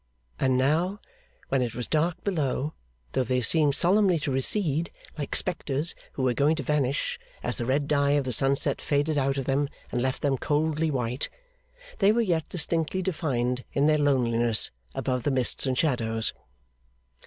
And now, when it was dark below, though they seemed solemnly to recede, like spectres who were going to vanish, as the red dye of the sunset faded out of them and left them coldly white, they were yet distinctly defined in their loneliness above the mists and shadows.